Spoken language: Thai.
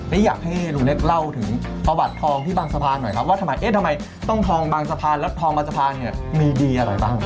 และอยากให้ลุงเล็กเล่าถึงประวัติทองที่บางสะพานหน่อยครับว่าทำไมเอ๊ะทำไมต้องทองบางสะพานแล้วทองบางสะพานเนี่ยมีดีอะไรบ้าง